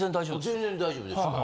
全然大丈夫ですか。